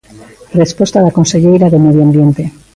Resposta da conselleira de Medio Ambiente.